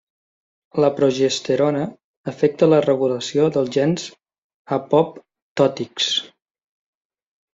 La progesterona afecta la regulació dels gens apoptòtics.